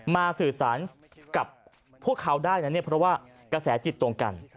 สื่อสารกับพวกเขาได้นะเนี่ยเพราะว่ากระแสจิตตรงกัน